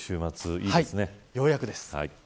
ようやくです。